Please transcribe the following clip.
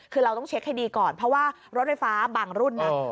คือเราต้องเช็คให้ดีก่อนเพราะว่ารถไฟฟ้าบางรุ่นนะ